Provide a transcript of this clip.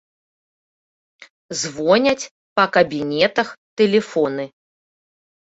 Звоняць па кабінетах тэлефоны.